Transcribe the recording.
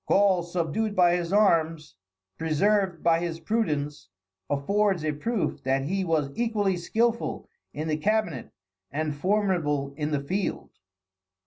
Gaul, subdued by his arms, preserved by his prudence, affords a proof that he was equally skillful in the cabinet and formidable in the field.